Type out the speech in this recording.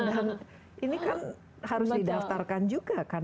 dan ini kan harus didaftarkan juga kan